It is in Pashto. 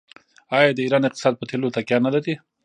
آیا د ایران اقتصاد په تیلو تکیه نلري؟